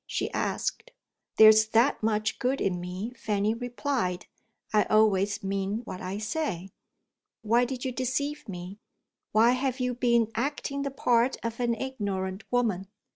she asked. "There's that much good in me," Fanny replied; "I always mean what I say." "Why did you deceive me? Why have you been acting the part of an ignorant woman?"